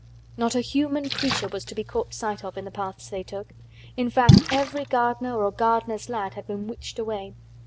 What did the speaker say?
Not a human creature was to be caught sight of in the paths they took. In fact every gardener or gardener's lad had been witched away.